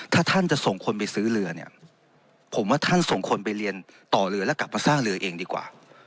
ถ้าท่านจะส่งคนไปซื้อเรือเนี่ยผมว่าท่านส่งคนไปเรียนต่อเรือแล้วกลับมาสร้างเรือเองดีกว่า